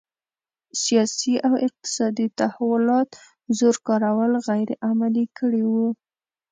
سیاسي او اقتصادي تحولات زور کارول غیر عملي کړي وو.